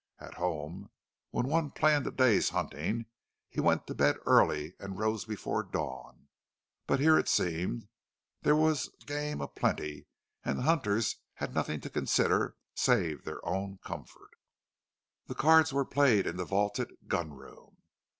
At home, when one planned a day's hunting, he went to bed early and rose before dawn; but here, it seemed, there was game a plenty, and the hunters had nothing to consider save their own comfort. The cards were played in the vaulted "gun room."